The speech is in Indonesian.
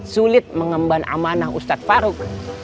sulit mengemban amanah ustadz farouk